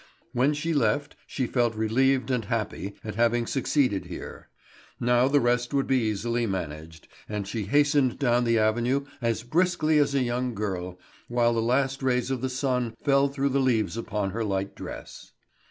When she left, she felt relieved and happy at having succeeded here. Now the rest would be easily managed; and she hastened down the avenue as briskly as a young girl, while the last rays of the sun fell through the leaves upon her light dress.